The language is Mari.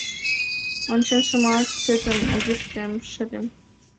Ончен шыма тӱсетым, огеш тем шерем.